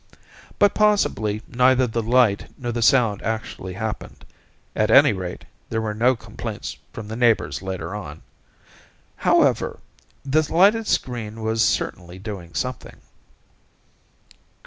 But possibly neither the light nor the sound actually happened; at any rate, there were no complaints from the neighbors later on. However, the lighted screen was certainly doing something.